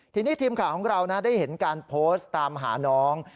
ทีนี้ทีมข่าวของเราได้เห็นการโพสต์ตามหาน้อง